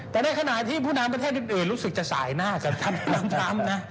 แต่ในขณะที่ผู้นำกระแทนอื่นรู้สึกจะสายหน้าจากทั้งทั้งทั้งนะ